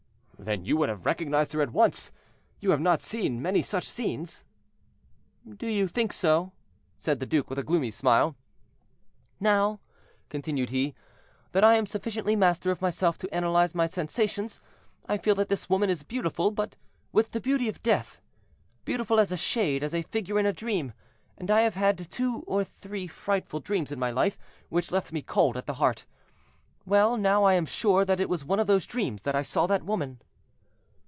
"Then you would have recognized her at once; you have not seen many such scenes." "Do you think so?" said the duke, with a gloomy smile. "Now," continued he, "that I am sufficiently master of myself to analyze my sensations, I feel that this woman is beautiful, but with the beauty of death; beautiful as a shade, as a figure in a dream; and I have had two or three frightful dreams in my life, which left me cold at the heart. Well, now I am sure that it was in one of those dreams that I saw that woman."